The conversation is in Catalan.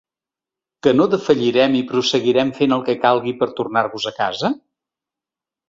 Que no defallirem i prosseguirem fent el que calgui per tornar-vos a casa?